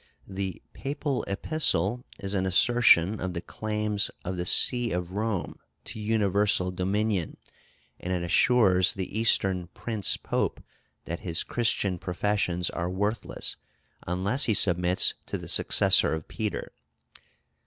The papal epistle is an assertion of the claims of the See of Rome to universal dominion, and it assures the Eastern Prince Pope that his Christian professions are worthless, unless he submits to the successor of Peter.